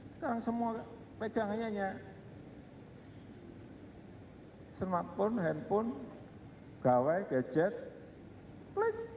sekarang semua pegangannya hanya smartphone handphone gawai gadget klik